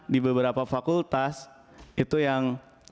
di beberapa fakultas itu yang